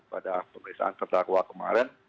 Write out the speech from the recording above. pada pemeriksaan kertakwa kemarin